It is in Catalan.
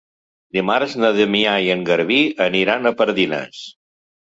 Dimarts na Damià i en Garbí aniran a Pardines.